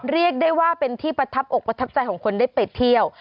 เรียกได้ว่าเป็นที่ประทับอกประทับใจของคนได้ไปเที่ยว